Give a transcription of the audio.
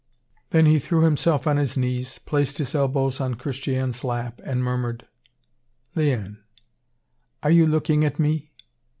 Then he threw himself on his knees, placed his elbows on Christiane's lap, and murmured: "'Liane,' are you looking at me?"